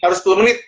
harus sepuluh menit